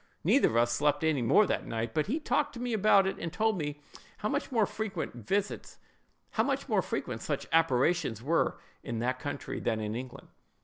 Neither of us slept any more that night, but he talked to me about it, and told me how much more frequent such apparitions were in that country than in England."